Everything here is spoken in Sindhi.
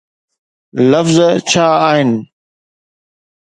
لفظ ڇا آهن؟